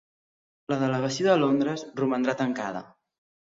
La delegació de Londres romandrà tancada